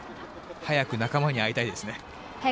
早く仲間に会いたいですね。